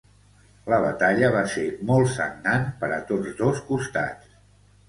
La batalla va ser molt sagnant per a tots dos costats.